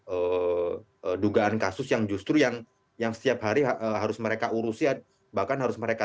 ee dugaan kasus yang justru yang yang setiap hari harus mereka urusi bahkan harus mereka